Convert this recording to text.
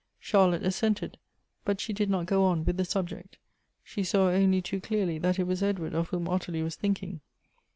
". Charlotte assented, but she did not go on with the subject. She saw only too clearly that it was Edward of whom Ottilie was thinking.